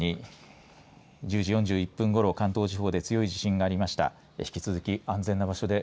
お伝えしていますように１０時４１分ごろ関東地方で強い地震がありました。